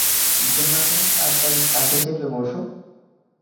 Jonathan, তাড়াতাড়ি ট্রাকে চেপে বসো!